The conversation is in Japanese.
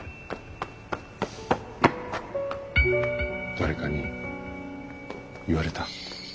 誰かに言われた？